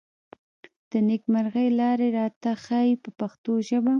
د نېکمرغۍ لارې راته ښيي په پښتو ژبه.